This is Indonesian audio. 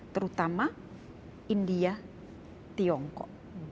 terutama india tiongkok